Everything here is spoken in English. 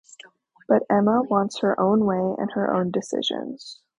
But Emma wants her own way and her own decisions.